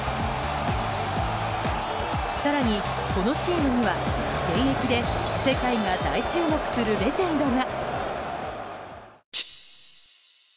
更に、このチームには、現役で世界が大注目するレジェンドが。